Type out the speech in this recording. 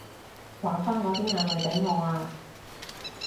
還返我啲眼淚畀我啊